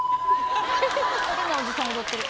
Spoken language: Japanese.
変なおじさん踊ってる。